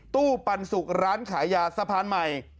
ปันสุกร้านขายยาสะพานใหม่